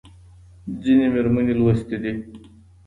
ځینې مېرمنې لوستې دي.